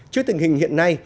trước tình hình hiện nay